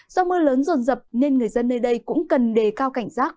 do mưa lớn rồn rập nên người dân nơi đây cũng cần đề cao cảnh giác